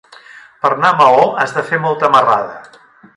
Per anar a Maó has de fer molta marrada.